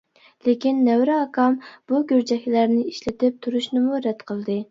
لېكىن نەۋرە ئاكام بۇ گۈرجەكلەرنى ئىشلىتىپ تۇرۇشنىمۇ رەت قىلدى.